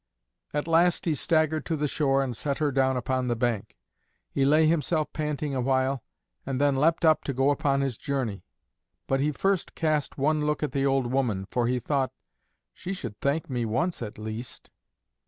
At last he staggered to the shore and set her down upon the bank. He lay himself panting awhile, and then leapt up to go upon his journey, but he first cast one look at the old woman, for he thought, "She should thank me once at least."